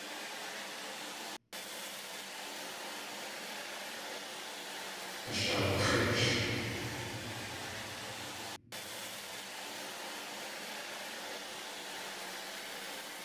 Ashaawax̲ích.